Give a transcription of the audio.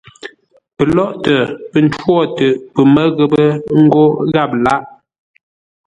Pəlóghʼtə pə́ ncwotə pəmə́ ghəpə́ ńgó gháp lâghʼ.